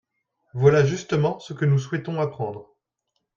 Voilà justement ce que nous souhaitons apprendre.